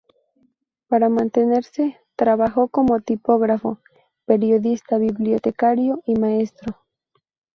Para mantenerse, trabajó como tipógrafo, periodista, bibliotecario y maestro.